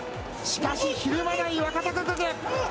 しかし、ひるまない若隆景。